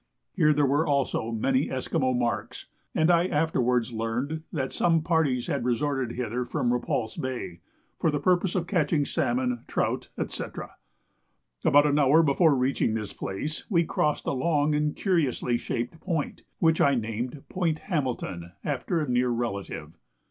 Here there were also many Esquimaux marks, and I afterwards learned that some parties had resorted hither from Repulse Bay, for the purpose of catching salmon, trout, &c. About an hour before reaching this place we crossed a long and curiously shaped point, which I named Point Hamilton after a near relative.